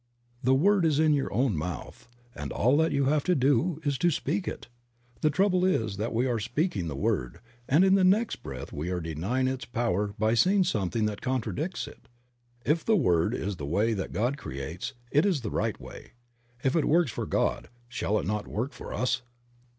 The word is in your own mouth, and all that you have to do is to speak it. The trouble is that we are speaking the word, and in the next breath we are denying its power by seeing something that contradicts it. If the word is the way that God creates, it is the right way. If it works for God, shall it not work for us?